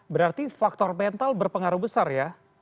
berarti faktor mental berpengaruh besar ya